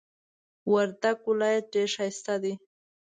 وردک ولایت ډیر ښایسته دی.